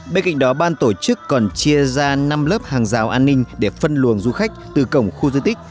bên cạnh đó ban tổ chức còn chia ra năm lớp hàng rào an ninh để phân luồng du khách từ cổng khu di tích